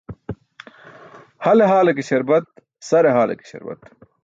Hale haale ke śarbat, sare haale ke śarbat.